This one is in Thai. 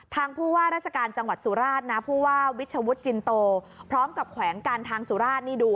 ผู้ว่าราชการจังหวัดสุราชนะผู้ว่าวิชวุฒิจินโตพร้อมกับแขวงการทางสุราชนี่ดู